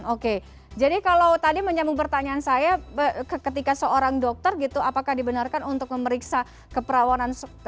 oke jadi kalau tadi menyambung pertanyaan saya ketika seorang dokter gitu apakah dibenarkan untuk memeriksa keperawanan